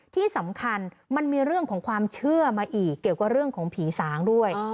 ที่สำคัญมันมีเรื่องของความเชื่อมาอีกเกี่ยวกับเรื่องของผีสางด้วย